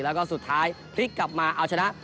แล้วก็สุดท้ายพลิกกลับมาเอาชนะ